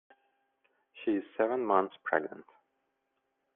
She is seven months pregnant.